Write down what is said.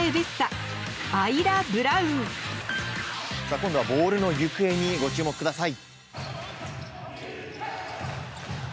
今度はボールの行方にご注目ください。